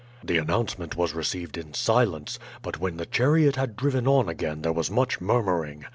"The announcement was received in silence; but when the chariot had driven on again there was much murmuring.